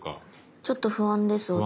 ちょっと不安です私。